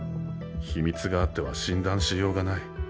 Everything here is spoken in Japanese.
秘密があっては診断しようがない。